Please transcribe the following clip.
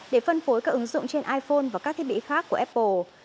để phân phối các ứng dụng trên iphone và các thiết bị khác của apple